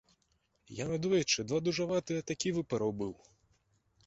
Я надоечы два дужаватыя такі выпараў быў.